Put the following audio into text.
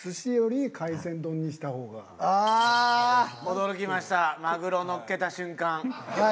驚きましたマグロをのっけた瞬間。